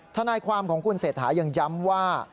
ทนายความของคุณเศรษฐายังย้ำว่า